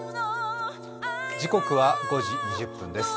時刻は５時２０分です。